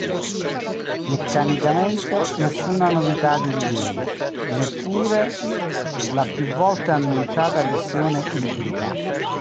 Meccanicamente nessuna novità di rilievo, neppure la più volte annunciata versione ibrida.